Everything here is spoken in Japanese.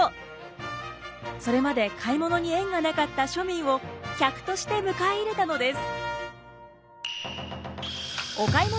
それまで買い物に縁がなかった庶民を客として迎え入れたのです。